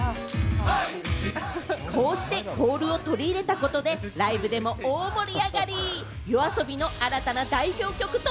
こうしてコールを取り入れたことで、ライブでも大盛り上がり。